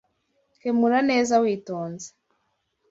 Kemura neza witonze.